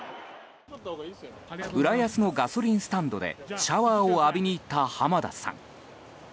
浦安のガソリンスタンドへシャワーを浴びに行った浜田さん。